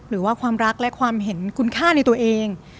หรือว่าความรักและความเห็นคุณค่าในตัวเอง